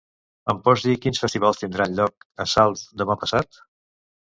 Em pots dir quins festivals tindran lloc a Salt demà passat?